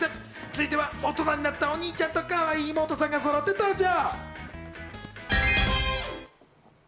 続いては、大人になったお兄ちゃんと、かわいい妹さんがそろって登場。